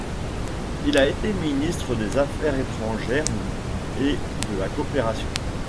Il a été ministre des Affaires étrangères et de la Coopération.